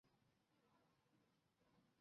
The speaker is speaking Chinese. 卡祖尔莱贝济耶。